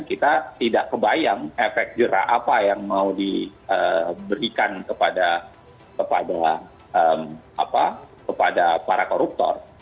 kita tidak kebayang efek jerah apa yang mau diberikan kepada para koruptor